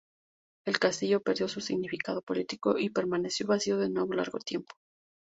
El castillo perdió su significado político y permaneció vacío de nuevo largo tiempo.